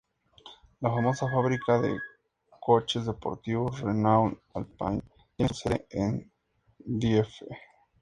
La famosa fábrica de coches deportivos, Renault Alpine, tiene su sede en Dieppe.